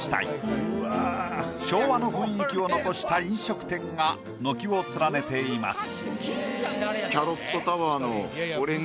昭和の雰囲気を残した飲食店が軒を連ねています。